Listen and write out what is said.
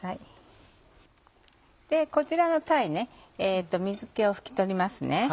こちらの鯛水気を拭き取ります。